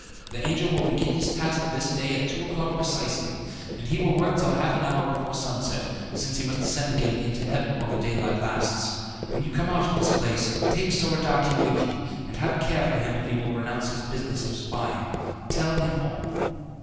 The angel will begin his task this day at two o'clock precisely, and he will work till half an hour before sunset, since he must ascend again into heaven while the daylight lasts. When you come out of this place, take Soradaci with you, and have a care for him if he will renounce his business of spying. Tell him all.